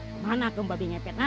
kemana kau babi ngepet ha